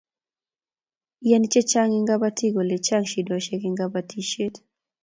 iani chechang eng kabatik kole chang shidoshek eng kabatishiet